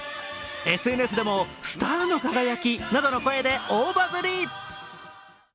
ＳＮＳでも、スターの輝きなどの声で大バズり。